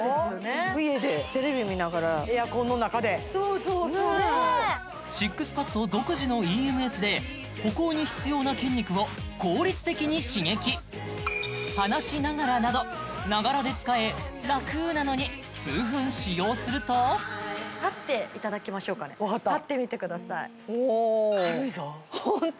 家でテレビ見ながらエアコンの中でＳＩＸＰＡＤ独自のＥＭＳで歩行に必要な筋肉を効率的に刺激話しながらなどながらで使えラクなのに立っていただきましょうかね立ってみてくださいホント！